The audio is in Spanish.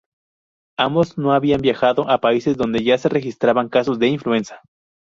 Ambos no habían viajado a países donde ya se registraban casos de influenza.